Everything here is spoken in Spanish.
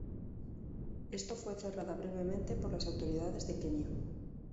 Esto fue cerrada brevemente por las autoridades de Kenia.